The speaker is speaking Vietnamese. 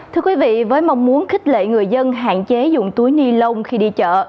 thưa quý vị với mong muốn khích lệ người dân hạn chế dùng túi ni lông khi đi chợ